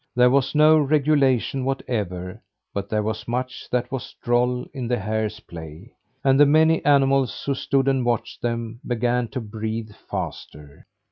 There was no regulation whatever, but there was much that was droll in the hares' play; and the many animals who stood and watched them began to breathe faster.